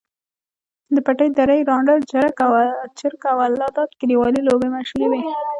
د پټې دُرې، ړانده چرک، او الله داد کلیوالې لوبې مشهورې وې.